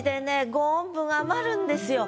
５音分余るんですよ。